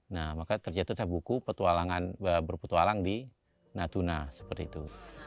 nah maka terjatuhlah buku berpetualang di natuna seperti itu